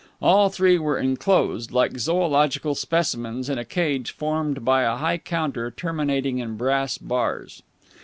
All three were enclosed, like zoological specimens, in a cage formed by a high counter terminating in brass bars.